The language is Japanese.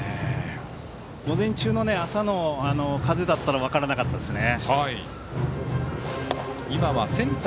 午前中の、朝の風だったら分からなかったですね。